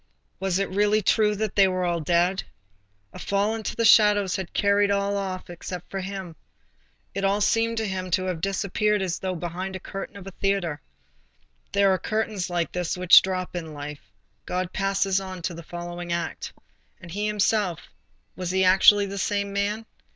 was it really true that all were dead? A fall into the shadows had carried off all except himself. It all seemed to him to have disappeared as though behind the curtain of a theatre. There are curtains like this which drop in life. God passes on to the following act. And he himself—was he actually the same man?